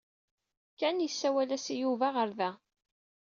Ken yessawal-as i Yuba aɣerda.